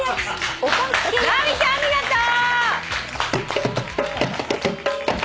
直美ちゃんありがとう！